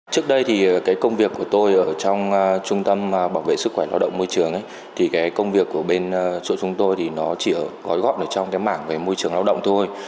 trước đây thì cái công việc của tôi ở trong trung tâm bảo vệ sức khỏe lao động môi trường thì cái công việc của bên chỗ chúng tôi thì nó chỉ ở gói gọn ở trong cái mảng về môi trường lao động thôi